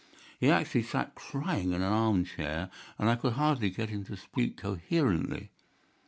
He actually sat crying in an armchair, and I could hardly get him to speak coherently.